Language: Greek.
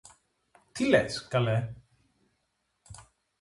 Τι λες, καλέ;